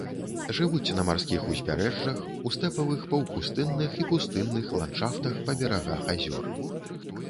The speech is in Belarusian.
Жывуць на марскіх узбярэжжах, у стэпавых, паўпустынных і пустынных ландшафтах па берагах азёр.